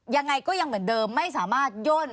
ยังไงก็ยังเหมือนเดิมไม่สามารถย่น